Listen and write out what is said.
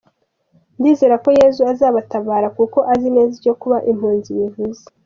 Ndizera ko Yezu azabatabara kuko azi neza icyo kuba impunzi bivuze.